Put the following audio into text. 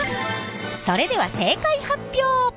それでは正解発表！